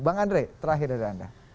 bang andre terakhir dari anda